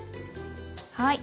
はい。